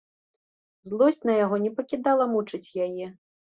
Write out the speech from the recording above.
Злосць на яго не пакідала мучыць яе.